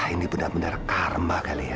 ini benar benar karma kali ya